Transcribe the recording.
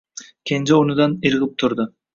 Kenja o‘rnidan irg‘ib turdi.